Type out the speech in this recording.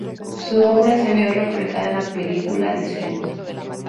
Su obra se vio reflejada en la película "The Cell".